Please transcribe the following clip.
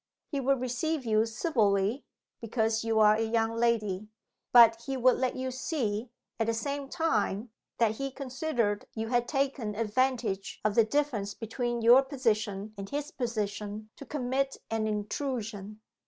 He would receive you civilly, because you are a young lady; but he would let you see, at the same time, that he considered you had taken advantage of the difference between your position and his position to commit an intrusion.